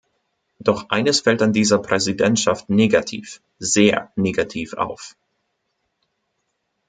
Doch eines fällt an dieser Präsidentschaft negativ, sehr negativ auf.